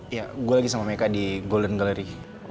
ya gue lagi sama mereka di golden gallery